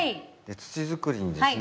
土づくりにですね